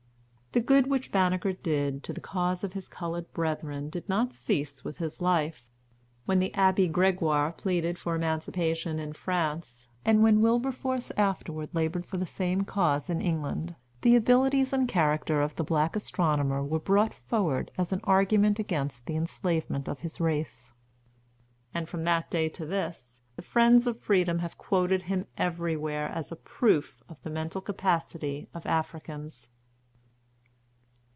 '" The good which Banneker did to the cause of his colored brethren did not cease with his life. When the Abbe Gregoire pleaded for emancipation in France, and when Wilberforce afterward labored for the same cause in England, the abilities and character of the black astronomer were brought forward as an argument against the enslavement of his race; and, from that day to this, the friends of freedom have quoted him everywhere as a proof of the mental capacity of Africans.